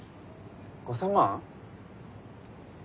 ５，０００万。